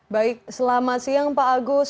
baik selamat siang pak agus